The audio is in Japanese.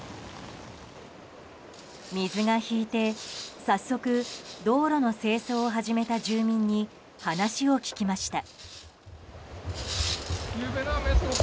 水が引いて、早速道路の清掃を始めた住民に話を聞きました。